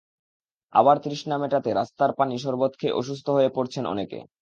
আবার তৃষ্ণা মেটাতে রাস্তার পানি, শরবত খেয়ে অসুস্থ হয়ে পড়ছেন অনেকে।